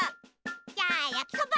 じゃあやきそば！